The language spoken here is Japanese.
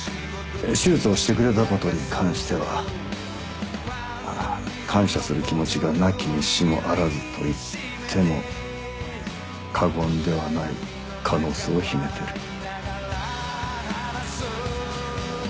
手術をしてくれたことに関しては感謝する気持ちがなきにしもあらずと言っても過言ではない可能性を秘めてる。